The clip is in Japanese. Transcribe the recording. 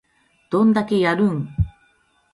どんだけやるん